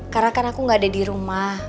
karena kan aku enggak ada di rumah